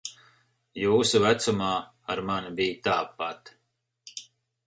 Jūsu vecumā ar mani bija tāpat.